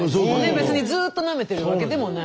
別にずっとなめてるわけでもない。